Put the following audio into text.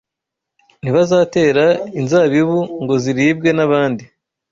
ntibazatera inzabibu ngo ziribwe n’abandi